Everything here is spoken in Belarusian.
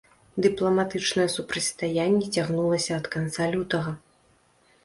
Дыпламатычнае супрацьстаянне цягнулася ад канца лютага.